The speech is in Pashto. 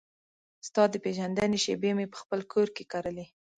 ستا د پیژندنې شیبې مې پخپل کور کې کرلې